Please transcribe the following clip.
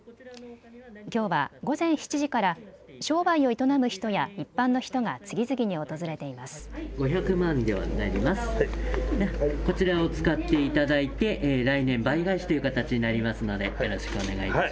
きょうは午前７時から商売を営む人や一般の人が次々に訪れています。